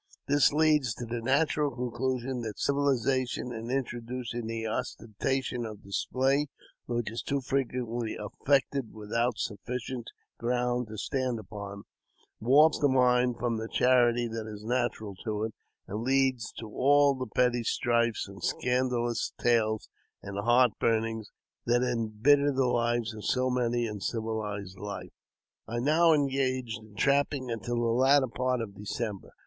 This leads to the natural conclusion that civilization, in introducing the ostentation of display which is too frequently affected without sufiicient JAMES P. BECKWOUBTH. 145 ground to stand upon, warps the mind from the charity that is natural to it, and leads to all the petty strifes, and scanda lous tales, and heartburnings that imbitter the lives of so many in civilized life. I now engaged in trapping until the latter part of December.